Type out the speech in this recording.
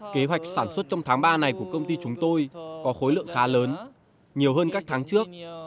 kế hoạch sản xuất trong tháng ba này của công ty chúng tôi có khối lượng khá lớn nhiều hơn các tháng trước